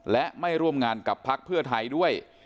และไม่ร่วมงานกับพักเพื่อไทยด้วย